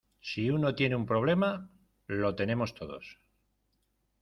si uno tiene un problema, lo tenemos todos.